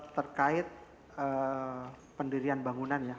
terkait pendirian bangunan ya